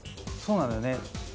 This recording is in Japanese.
そうなのよね